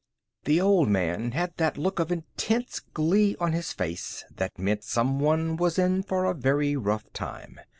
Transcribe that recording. The Old Man had that look of intense glee on his face that meant someone was in for a very rough time.